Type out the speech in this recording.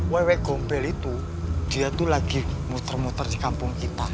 wewek gombel itu dia tuh lagi muter muter di kampung kita